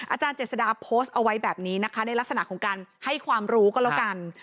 อาจารย์เจษฎาโพสต์เอาไว้แบบนี้นะคะในลักษณะของการให้ความรู้ก็แล้วกัน